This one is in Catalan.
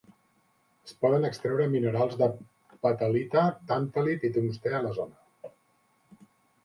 Es poden extreure minerals de petalita, tàntalit i tungstè a la zona.